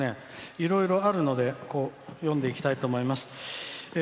いろいろあるので読んでいきたいと思います。